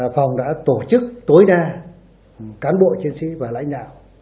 phòng đã tổ chức tối đa cán bộ chiến sĩ và lãnh đạo